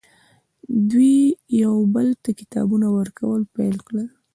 دوی یو بل ته کتابونه ورکول پیل کړل